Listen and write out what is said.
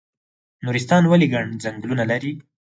نورستان ولې ګڼ ځنګلونه لري؟